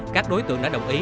các đối tượng đã đồng ý